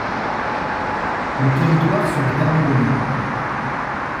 Le territoire serait abandonné.